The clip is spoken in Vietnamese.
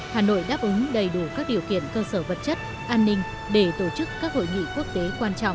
hà nội đáp ứng đầy đủ các điều kiện cơ sở vật chất an ninh để tổ chức các hội nghị quốc tế quan trọng